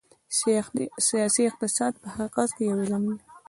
سیاسي اقتصاد په حقیقت کې یو علم دی.